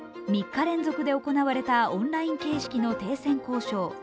３日連続で行われたオンライン形式の停戦交渉